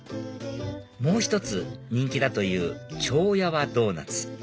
もう一つ人気だという超やわドーナツ